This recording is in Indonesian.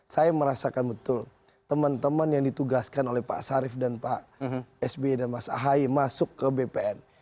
saya merasakan betul teman teman yang ditugaskan oleh pak sarif dan pak sby dan mas ahaye masuk ke bpn